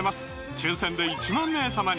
抽選で１万名様に！